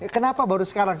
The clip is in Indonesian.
kenapa baru sekarang